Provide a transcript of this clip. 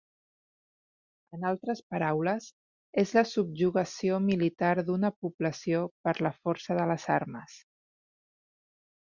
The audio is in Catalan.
En altres paraules, és la subjugació militar d'una població per la força de les armes.